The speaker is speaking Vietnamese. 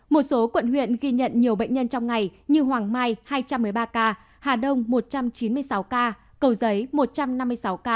một số quận huyện ghi nhận nhiều bệnh nhân trong ngày như hoàng mai hai trăm một mươi ba ca hà đông một trăm chín mươi sáu ca cầu giấy một trăm năm mươi sáu ca